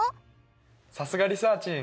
さすがリサーちん